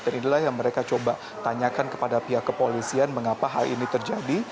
dan inilah yang mereka coba tanyakan kepada pihak kepolisian mengapa hal ini terjadi